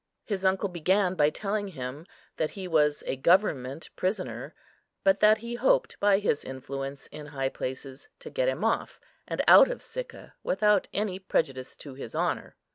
His uncle began by telling him that he was a government prisoner, but that he hoped by his influence in high places to get him off and out of Sicca without any prejudice to his honour.